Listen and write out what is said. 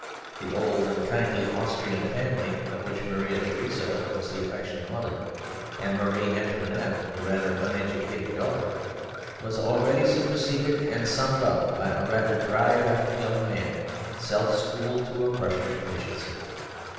The old and kindly Austrian family, of which Maria Theresa was the affectionate mother, and Marie Antoinette the rather uneducated daughter, was already superseded and summed up by a rather dried up young man self schooled to a Prussian efficiency.